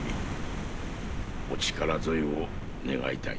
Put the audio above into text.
お力添えを願いたい。